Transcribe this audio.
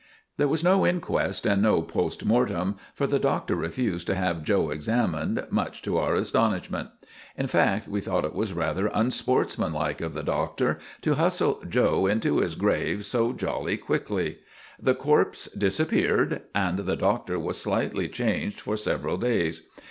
There was no inquest and no post mortem, for the Doctor refused to have 'Joe' examined, much to our astonishment. In fact we thought it was rather unsportsmanlike of the Doctor to hustle 'Joe' into his grave so jolly quickly. The corpse disappeared, and the Doctor was slightly changed for several days.